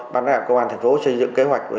bán đại hạc công an thành phố xây dựng kế hoạch